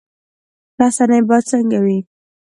رسنۍ باید څنګه وي؟